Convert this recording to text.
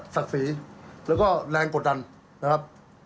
สักฝีแล้วก็แรงกดดันนะครับ